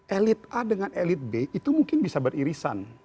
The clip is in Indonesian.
elit a dengan elit b itu mungkin bisa beririsan